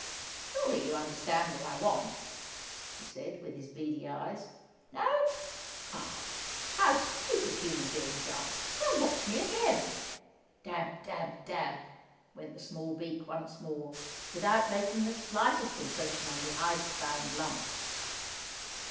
"Surely you understand what I want?" he said with his beady eyes. "No? Oh! how stupid human beings are! Well, watch me again!" Dab, dab, dab, went the small beak once more, without making the slightest impression on the ice bound lumps.